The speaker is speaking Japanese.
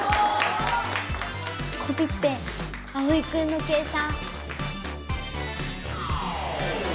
コピッペあおいくんの計算。